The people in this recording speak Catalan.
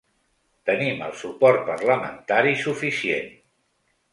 Tenim el suport parlamentari suficient.